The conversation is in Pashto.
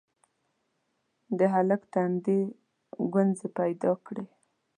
د هلک تندي ګونځې پيدا کړې: